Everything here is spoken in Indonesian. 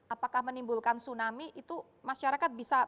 apakah menimbulkan tsunami itu masyarakat bisa